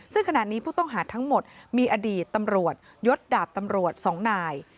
ซึ่งขณะนี้ผู้ต้องหาทั้งหมดมีอดีตตำรวจยศดาบตำรวจ๒นาย